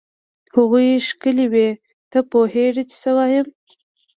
هغوی ښکلې وې؟ ته وپوهېږه چې څه وایم.